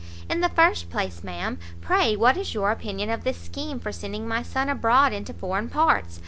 In the first place, ma'am, pray what is your opinion of this scheme for sending my son abroad into foreign parts?